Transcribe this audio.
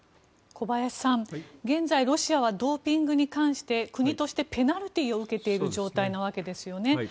小林さん、現在ロシアはドーピングに対して国としてペナルティーを受けている状態なわけですよね。